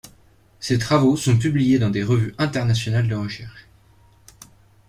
Ses travaux sont publiés dans des revues internationales de recherche.